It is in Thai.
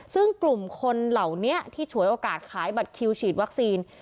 ซึ่งกลุ่มคนเหล่านี้ที่ฉวยโอกาสขายบัตรคิวฉีดวัคซีน